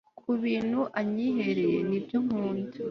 kubintu anyihere ye nibyo nkunda